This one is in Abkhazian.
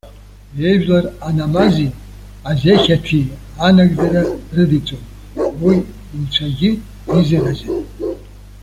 Ижәлар анамази, азеқьаҭи анагӡара рыдиҵон, уи Инцәагьы дизыразын.